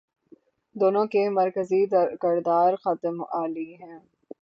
دونوں کے مرکزی کردار خادم اعلی ہیں۔